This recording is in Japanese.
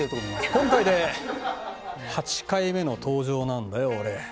今回で８回目の登場なんだよ俺！